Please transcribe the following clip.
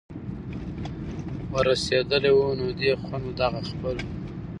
ور رسېدلي وو نو دې خویندو دغه خپل